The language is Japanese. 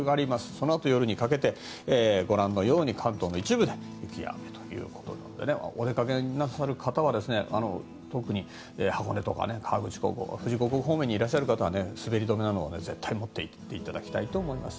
そのあと、夜にかけてご覧のように関東の一部で雪や雨ということでお出かけなさる方は特に、箱根とか河口湖富士五湖方面にいらっしゃる方は滑り止めなど絶対に持っていっていただきたいと思います。